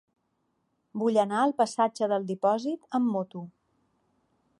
Vull anar al passatge del Dipòsit amb moto.